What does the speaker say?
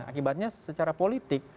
akibatnya secara politik